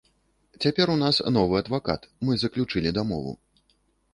Цяпер у нас новы адвакат, мы заключылі дамову.